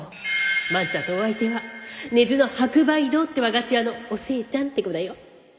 万ちゃんのお相手は根津の白梅堂って和菓子屋のお寿恵ちゃんって子だよ。